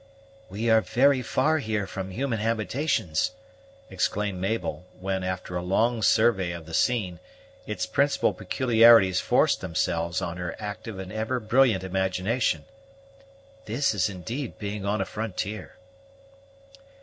"We are very far here from human habitations!" exclaimed Mabel, when, after a long survey of the scene, its principal peculiarities forced themselves on her active and ever brilliant imagination; "this is indeed being on a frontier."